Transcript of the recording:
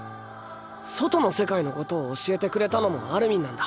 外の世界のことを教えてくれたのもアルミンなんだ。